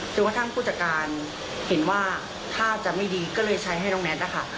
จนกระทั่งผู้จัดการเห็นว่าท่าจะไม่ดีก็เลยใช้ให้น้องแน็ตนะคะ